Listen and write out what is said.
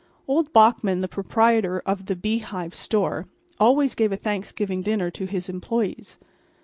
Old Bachman, the proprietor of the Bee Hive Store, always gave a Thanksgiving dinner to his employees.